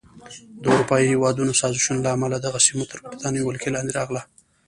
د اروپایي هېوادونو سازشونو له امله دغه سیمه تر بریتانوي ولکې لاندې راغله.